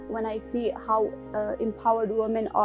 ketika saya melihat keberadaan wanita